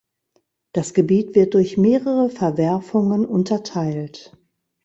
Das Gebiet wird durch mehrere Verwerfungen unterteilt.